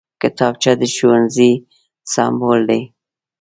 کتابچه د ښوونځي سمبول دی